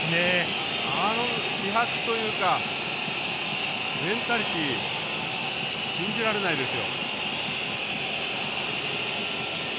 あの気迫というかメンタリティー信じられないですよ。